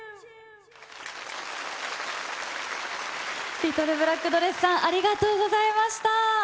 リトルブラックドレスさん、ありがとうございました。